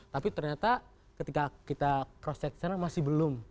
tapi ternyata ketika kita cross check di sana masih belum